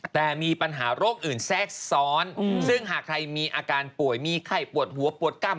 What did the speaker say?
แต่มีปัญหาโรคอื่นแทรกซ้อนซึ่งหากใครมีอาการป่วยมีไข้ปวดหัวปวดกล้าม